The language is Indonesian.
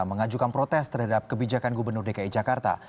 mengajukan protes terhadap kebijakan gubernur dki jakarta